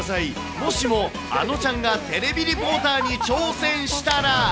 もしもあのちゃんがテレビリポーターに挑戦したら。